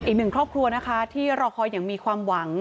อีกหนึ่งครอบครัวนะคะที่รอคอยอย่างมีความหวัง